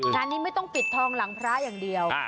งานนี้ไม่ต้องปิดทองหลังพระอย่างเดียว